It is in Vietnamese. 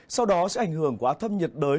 sau đó sẽ ảnh hưởng của áp thấp nhiệt đới